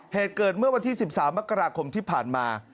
เหตุเกิดเมื่อวันที่๑๓มกราคมที่ผ่านมา